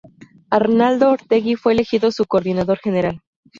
Arnaldo Otegi fue elegido su coordinador general.